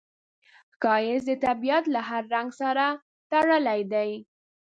ښایست د طبیعت له هر رنګ سره تړلی دی